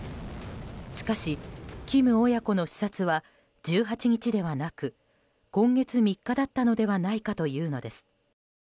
しかし、金親子の視察は１８日ではなく今月３日だったのではないかというのです。